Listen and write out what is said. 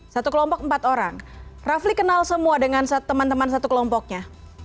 satu kelompok empat orang rafli kenal semua dengan teman teman satu kelompoknya